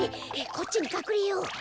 こっちにかくれよう！